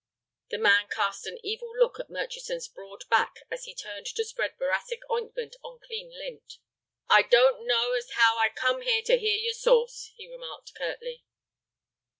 The man cast an evil look at Murchison's broad back as he turned to spread boracic ointment on clean lint. "I don't know as how I come here to hear your sauce," he remarked, curtly.